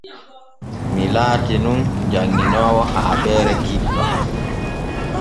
Mii laatin nun janŋunooɗo haaɓeere kiɗɗo.